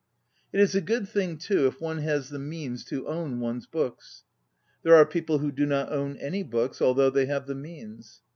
It is a good thing, too, if one has the means, to own one's books. There are people who do not own any books, although they have the means.